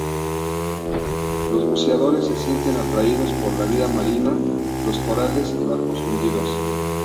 Los buceadores se sienten atraídos por la vida marina los corales y barcos hundidos.